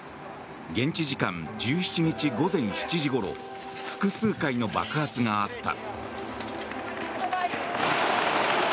現地時間１７日午前７時ごろ複数回の爆発があった。